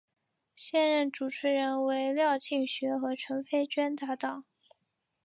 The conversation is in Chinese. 现任主持人为廖庆学与陈斐娟搭档。